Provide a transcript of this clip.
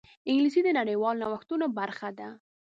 انګلیسي د نړیوالو نوښتونو برخه ده